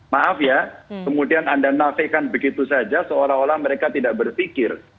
maaf ya kemudian anda nafikan begitu saja seolah olah mereka tidak berpikir